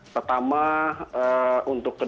pertama untuk kedua